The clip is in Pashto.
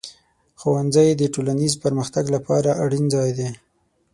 ښوونځی د ټولنیز پرمختګ لپاره اړین ځای دی.